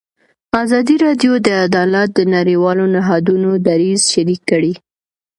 ازادي راډیو د عدالت د نړیوالو نهادونو دریځ شریک کړی.